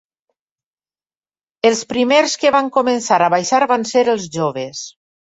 Els primers que van començar a baixar van ser els joves.